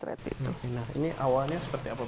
nah ini awalnya seperti apa